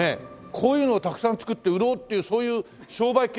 こういうのをたくさん作って売ろうっていうそういう商売っ気がないのがいいですね。